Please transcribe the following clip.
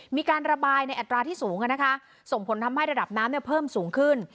มีการระบายในอัตราที่สูงส่งผลทำให้ระดับน้ำเพิ่มสูงขึ้น